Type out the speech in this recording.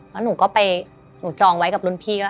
แล้วหนูก็ไปหนูจองไว้กับรุ่นพี่ว่า